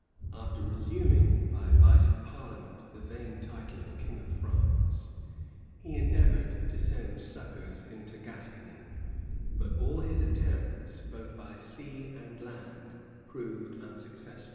After resuming, by advice of parliament, the vain title of king of France,[] he endeavored to send succors into Gascony, but all his attempts, both by sea and land, proved unsuccessful.